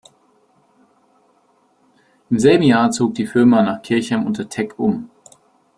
Im selben Jahr zog die Firma nach Kirchheim unter Teck um.